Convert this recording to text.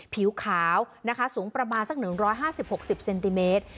ผิวขาวนะคะสูงประมาณสัก๑๕๐๖๐เซนติเมตร